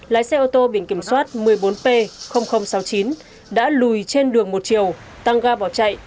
lái xe ô tô biển kiểm soát một mươi bốn p sáu mươi chín đã lùi trên đường một chiều tăng ga bỏ chạy